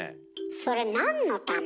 それなんのため？